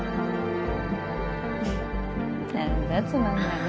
なんだつまんないの。